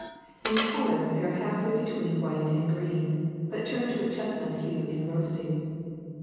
In color they are half way between white and green, but turn to a chestnut hue in roasting.